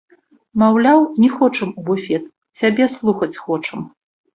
Маўляў, не хочам у буфет, цябе слухаць хочам.